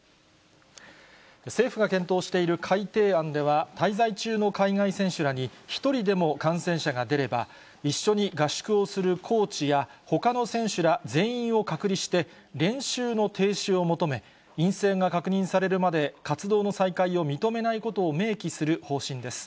政府が検討している改定案では、滞在中の海外選手らに一人でも感染者が出れば、一緒に合宿をするコーチや、ほかの選手ら全員を隔離して、練習の停止を求め、陰性が確認されるまで、活動の再開を認めないことを明記する方針です。